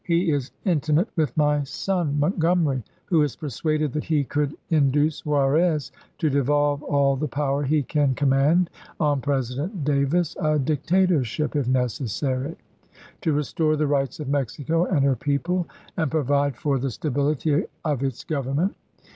He is intimate with my son BLAIK'S MEXICAN PKOJECT 101 Montgomery, who is persuaded that he could in chap. v. duce Juarez to devolve all the power he can com mand on President Davis — a dictatorship, if necessary — to restore the rights of Mexico and import, her people and provide for the stability of its Gov Jan., 1865. ernment.